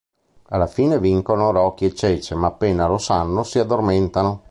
Alla fine vincono Rocky e Cece ma appena lo sanno si addormentano.